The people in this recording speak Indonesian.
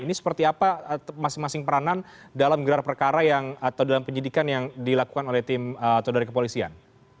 ini seperti apa masing masing peranan dalam gelar perkara yang atau dalam penyidikan yang dilakukan oleh tim atau dari kepolisian